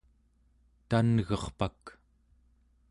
tan'gerpak